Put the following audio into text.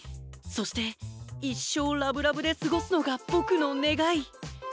そして一生ラブラブで過ごすのが僕の願い。